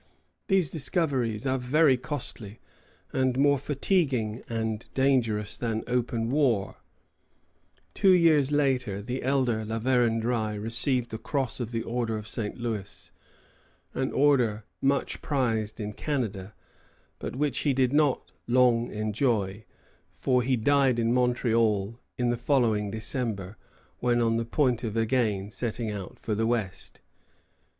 These discoveries are very costly, and more fatiguing and dangerous than open war." [Footnote: La Galissonière au Ministre, 23 Oct. 1747.] Two years later, the elder La Vérendrye received the cross of the Order of St. Louis, an honor much prized in Canada, but which he did not long enjoy; for he died at Montreal in the following December, when on the point of again setting out for the West.